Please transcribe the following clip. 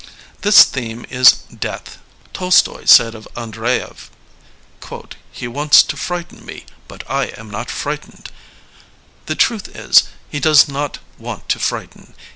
This theme is Death, Tolstoy said of Andreyev: He wants to frighten me, but I am not frightened/' The truth is, he does not want to frighten.